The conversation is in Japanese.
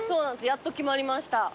やっと決まりました。